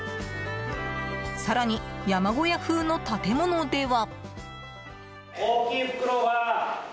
更に、山小屋風の建物では。